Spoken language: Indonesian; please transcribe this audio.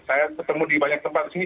saya ketemu di banyak tempat di sini